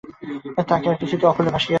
তাকে আর- কিছুতে অকূলে ভাসিয়েছে।